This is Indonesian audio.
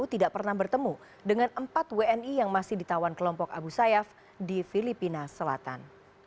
tidak pernah bertemu dengan empat wni yang masih ditawan kelompok abu sayyaf di filipina selatan